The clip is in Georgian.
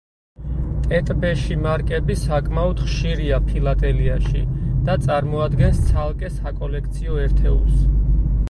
ტეტ-ბეში მარკები საკმაოდ ხშირია ფილატელიაში და წარმოადგენს ცალკე საკოლექციო ერთეულს.